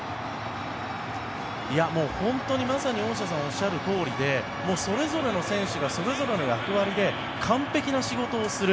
本当にまさに大下さんがおっしゃるとおりでそれぞれの選手がそれぞれの役割で完璧な仕事をする。